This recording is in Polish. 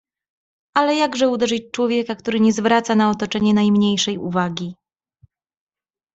"Ale jakże uderzyć człowieka który nie zwraca na otoczenie najmniejszej uwagi?"